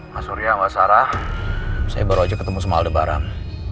mas surya mbak sarah saya baru aja ketemu sama alde bareng